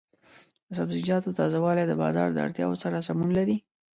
د سبزیجاتو تازه والي د بازار د اړتیاوو سره سمون لري.